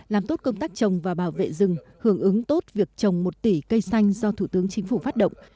làm tốt công tác trồng và bảo vệ rừng hưởng ứng tốt việc trồng một tỷ cây xanh do thủ tướng chính phủ phát động